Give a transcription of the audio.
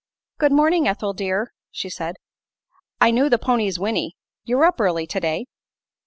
"Good morning, Ethel, dear," she said. "I knew the pony's whinney. You're up early today."